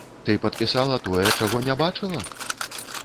Ты падпісала тое, чаго не бачыла?